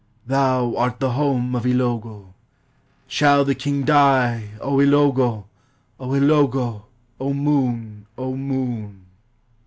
Thou art the home of Ilogo! Shall the king die? O Ilogo! 0 Ilogo! 0 moon! 0 moon!